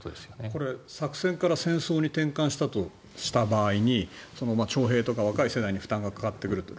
これ、作戦から戦争に転換したとした場合に徴兵とか若い世代に負担がかかってくると。